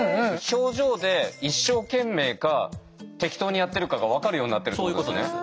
表情で「一生懸命」か「適当にやってるか」が分かるようになってるってことですね。